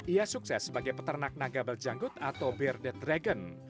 ia sukses sebagai peternak naga beljanggut atau bear the dragon